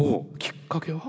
きっかけは？